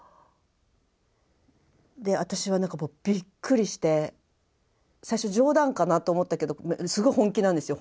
で私はびっくりして最初冗談かなと思ったけどすごい本気なんですよ